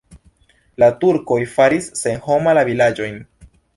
La turkoj faris senhoma la vilaĝojn.